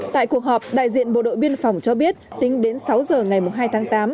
tại cuộc họp đại diện bộ đội biên phòng cho biết tính đến sáu giờ ngày hai tháng tám